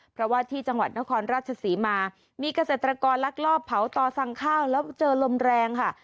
เพราะว่าที่จังหวัดนครราชศรีมามีเกษตรกรลักลอบเผาต่อสั่งข้าวแล้วเจอลมแรงค่ะ